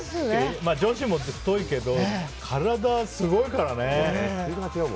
女子も太いけど体、すごいからね。